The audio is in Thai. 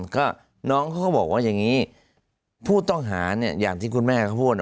ก็น้องเขาก็บอกว่าอย่างนี้ผู้ต้องหาอย่างที่คุณแม่เขาพูด